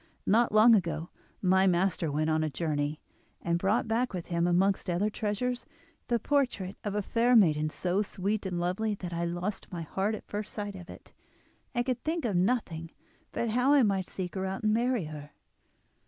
Not long ago my master went on a journey, and brought back with him, amongst other treasures, the portrait of a fair maiden so sweet and lovely that I lost my heart at first sight of it, and could think of nothing but how I might seek her out and marry her.